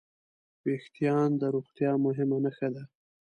وېښتيان د روغتیا مهمه نښه ده.